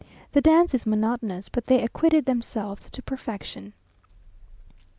The dance is monotonous, but they acquitted themselves to perfection.